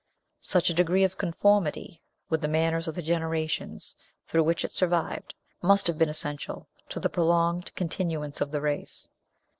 Such a degree of conformity with the manners of the generations through which it survived, must have been essential to the prolonged continuance of the race.